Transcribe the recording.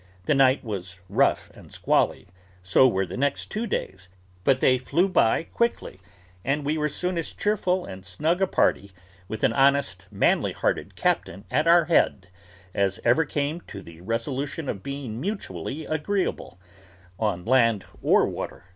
The night was rough and squally, so were the next two days, but they flew by quickly, and we were soon as cheerful and snug a party, with an honest, manly hearted captain at our head, as ever came to the resolution of being mutually agreeable, on land or water.